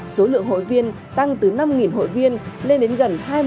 số lượng hội viên tăng từ năm hội viên lên đến gần hai mươi